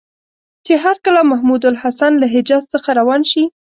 چې هرکله محمودالحسن له حجاز څخه روان شي.